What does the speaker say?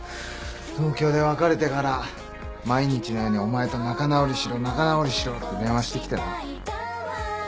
東京で別れてから毎日のようにお前と仲直りしろ仲直りしろって電話してきてな。